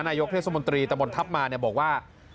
นายกเทศมนตรีตะบนทัพมาบอกว่า